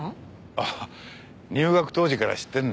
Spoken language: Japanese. あっ入学当時から知ってんだよ。